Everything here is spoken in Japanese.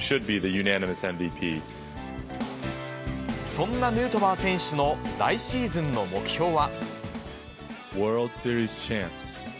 そんなヌートバー選手の来シーズンの目標は。